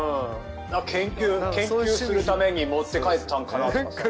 研究するために持って帰ったんかなとかさ。